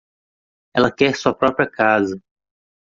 Ela quer sua própria casa.